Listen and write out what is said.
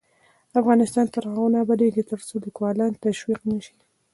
افغانستان تر هغو نه ابادیږي، ترڅو لیکوالان تشویق نشي.